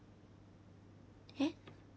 えっ？